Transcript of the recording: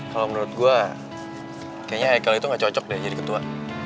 kalau menurut gue kayaknya ikel itu gak cocok deh jadi ketua